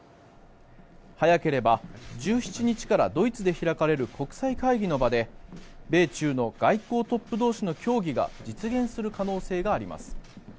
早ければ１７日からドイツで開かれる国際会議の場で米中の外交トップ同士の協議が実現する可能性があります。